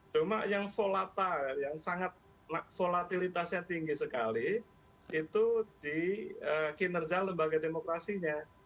cuma yang volatile yang sangat volatilitasnya tinggi sekali itu di kinerja lembaga demokrasinya